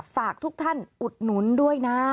ฝากทุกท่านอุดหนุนด้วยนะ